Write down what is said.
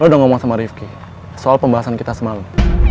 saya udah ngomong sama rifki soal pembahasan kita semalam